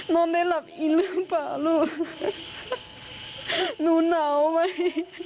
นอนได้หลับอินหรือเปล่าลูกหนูหนาวไหม